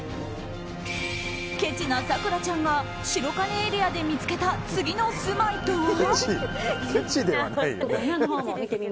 ケチな咲楽ちゃんが白金エリアで見つけた次の住まいとは？